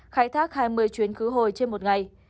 khai thác hai mươi chuyến khứ hồi trên một ngày